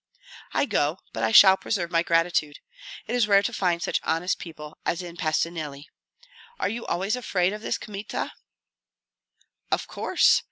"I go, but I shall preserve my gratitude. It is rare to find such honest people as in Patsuneli. Are you always afraid of this Kmita?" "Of course.